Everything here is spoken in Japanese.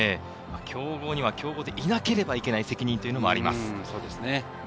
強豪には強豪でいなければいけない責任というのもあります。